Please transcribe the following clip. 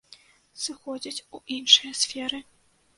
Сыходзяць у іншыя сферы.